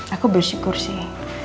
aku bersyukur sih